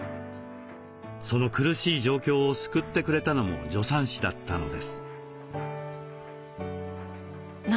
その苦しい状況を救ってくれたのも助産師だったのです。